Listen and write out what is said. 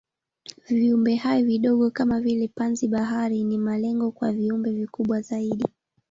Viumbehai vidogo kama vile panzi-bahari ni malengo kwa viumbe vikubwa zaidi.